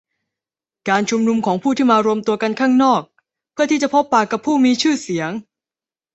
การชุมนุมของผู้คนที่มารวมตัวกันข้างนอกเพื่อที่จะพบปะกับผู้มีชื่อเสียง